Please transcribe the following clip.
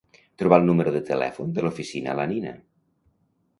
Trobar el número de telèfon de l'oficina la Nina.